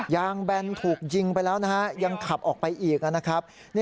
แบนถูกยิงไปแล้วนะฮะยังขับออกไปอีกนะครับ